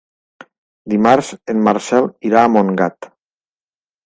Dimarts en Marcel irà a Montgat.